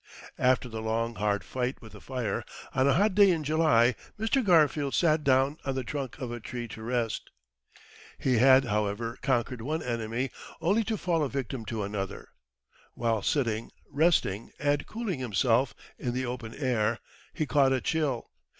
After the long, hard fight with the fire, on a hot day in July, Mr. Garfield sat down on the trunk of a tree to rest. He had, however, conquered one enemy only to fall a victim to another. While sitting resting, and cooling himself in the open air, he caught a chill.